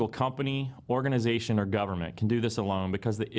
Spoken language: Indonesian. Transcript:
tak ada satu perusahaan organisasi atau pemerintah yang bisa melakukan ini sendiri